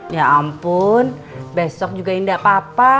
ya ampun besok juga indah papa